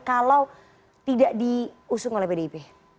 kalau tidak diusung oleh pdip